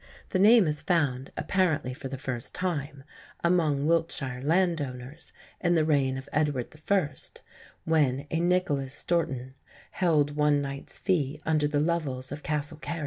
The name is found, apparently for the first time, among Wiltshire landowners, in the reign of Edward I., when a Nicholas Stourton held one knight's fee under the Lovells of Castle Cary."